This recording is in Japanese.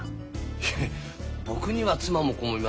いや僕には妻も子もいま。